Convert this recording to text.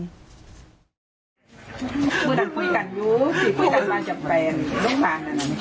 พื้นทางคุยกันรู้สิพื้นทางบ้านกับแฟน